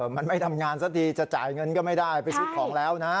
มันไม่ทำงานสักทีจะจ่ายเงินก็ไม่ได้ไปซื้อของแล้วนะ